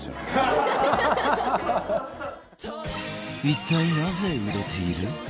一体なぜ売れている？